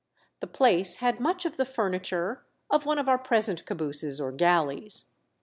The place had much of the furniture of one of our present cabooses or galleys.